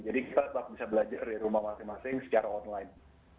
jadi kita tetap bisa belajar di rumah masing masing secara online